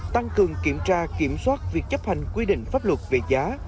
tăng cường kiểm tra kiểm soát việc chấp hành quy định pháp luật về giá